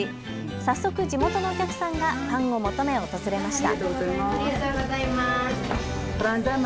早速、地元のお客さんがパンを求め訪れました。